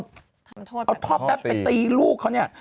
ทำโทษแบบทอตีเอาทอบแป๊บไปตีลูกเขาเนี่ย